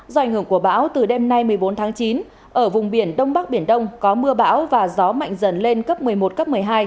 do ảnh hưởng của bão từ đêm nay một mươi bốn tháng chín ở vùng biển đông bắc biển đông có mưa bão và gió mạnh dần lên cấp một mươi một cấp một mươi hai